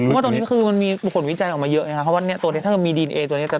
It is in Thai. คิดว่าตอนนี้คือมีผลวิจัยออกมาเยอะนะฮะ